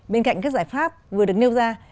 bên cạnh các giải pháp vừa được nêu ra